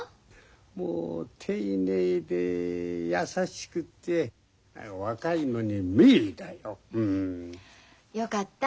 もう丁寧で優しくて若いのに名医だようん。よかった。